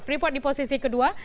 freeport di posisi kedua